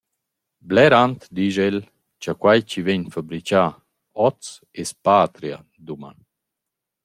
Blerant disch el cha quai chi vain fabrichà hoz es «patria» daman.